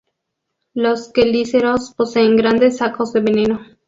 Los quelíceros poseen grandes sacos de veneno.